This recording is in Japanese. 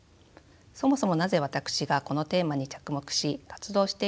そもそもなぜ私がこのテーマに着目し活動しているのか。